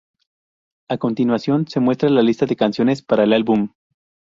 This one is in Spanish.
A continuación se muestra la lista de canciones para el álbum.